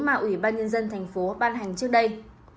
mà ubnd tp ban hành trước đây